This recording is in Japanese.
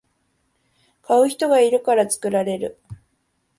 買う人がいるから作られる